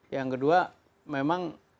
yang kedua memang